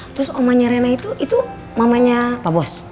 terus omanya rina itu itu mamanya pak bos